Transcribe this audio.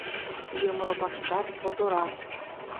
Йомро баштар ҡотора